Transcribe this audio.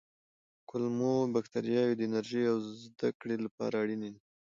کولمو بکتریاوې د انرژۍ او زده کړې لپاره اړینې دي.